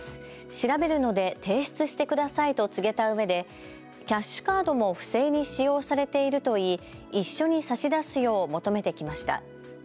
調べるので提出してくださいと告げたうえでキャッシュカードも不正に使用されていると言い一緒に差し出すよう求めてきました。